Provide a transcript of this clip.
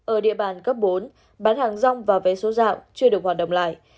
ở địa bàn cấp bốn bán hàng rong và vé số dạo chưa được hoạt động lại